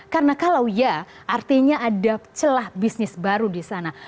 karena kalau ya artinya ada celah bisnis baru di sana